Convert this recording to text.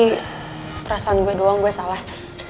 perasaan gue doang gue salah